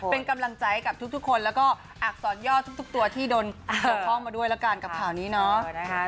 เป็นกำลังใจกับทุกคนแล้วก็อักษรย่อทุกตัวที่โดนเกี่ยวข้องมาด้วยแล้วกันกับข่าวนี้เนาะ